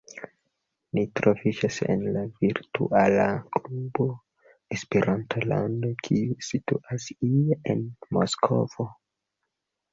Ni troviĝas en la virtuala klubo “Esperanto-lando, kiu situas ie en Moskvo.